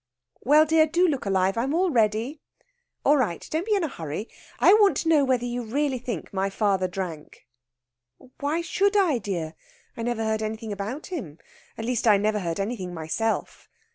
"Well, dear. Do look alive. I'm all ready." "All right. Don't be in a hurry. I want to know whether you really think my father drank." "Why should I, dear? I never heard anything about him at least, I never heard anything myself.